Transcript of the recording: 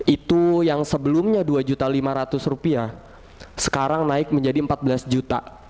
itu yang sebelumnya dua juta lima ratus rupiah sekarang naik menjadi empat belas juta